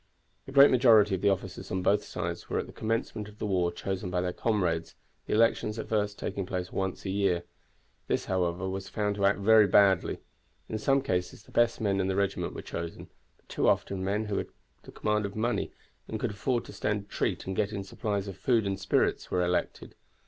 The great majority of the officers on both sides were at the commencement of the war chosen by their comrades, the elections at first taking place once a year. This, however, was found to act very badly. In some cases the best men in the regiment were chosen; but too often men who had the command of money, and could afford to stand treat and get in supplies of food and spirits, were elected.